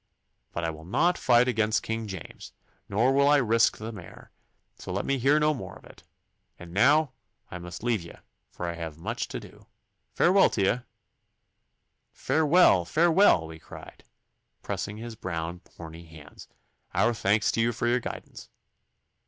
But I will not fight against King James, nor will I risk the mare, so let me hear no more of it. And now I must leave ye, for I have much to do. Farewell to you!' 'Farewell, farewell!' we cried, pressing his brown horny hands; 'our thanks to you for your guidance.